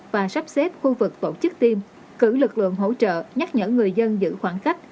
và sắp xếp khu vực tổ chức tiêm cử lực lượng hỗ trợ nhắc nhở người dân giữ khoảng cách